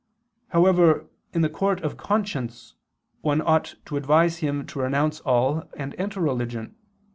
However, in the court of conscience one ought to advise him to renounce all and enter religion.